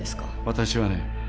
私はね